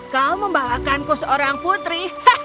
kau membawakanku seorang putri